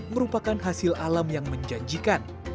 merupakan hasil alam yang menjanjikan